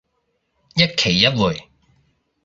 一期一會